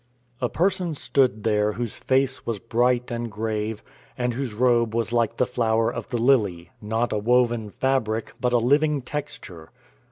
A person stood there whose face was bright and grave, and whose robe was like the flower of the lily, not a woven fabric, but a living texture.